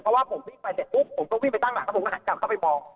เพราะว่าผมวิ่งไปเสร็จปุ๊บผมก็วิ่งไปตั้งหลักแล้วผมก็หันกลับเข้าไปมอง